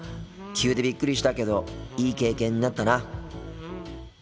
急でびっくりしたけどいい経験になったな。